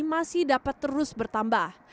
masih dapat terus bertambah